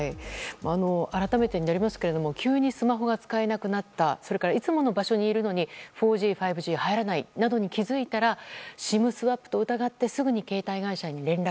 改めてになりますけど急にスマホが使えなくなったいつもの場所にいるのに４Ｇ５Ｇに入れないなどあったらＳＩＭスワップと疑ってすぐに携帯会社に連絡。